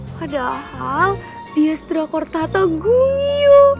padahal dia setelah kore tata gungyu